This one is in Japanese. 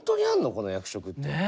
この役職って。ねえ。